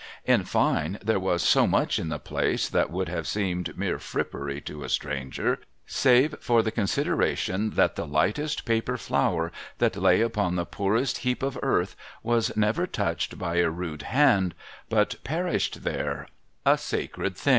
In fine, there was so much in the place that would have seemed mere frippery to a stranger, save for the consideration that the lightest paper flower that lay upon the poorest heap of earth was never touched by a rude hand, but perished there, a sacred thing